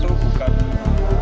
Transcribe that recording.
di rantau al parang